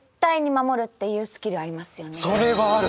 それはある！